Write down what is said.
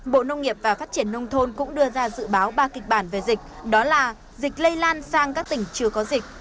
bộ nông nghiệp và phát triển nông thôn cũng đưa ra dự báo ba kịch bản về dịch đó là dịch lây lan sang các tỉnh chưa có dịch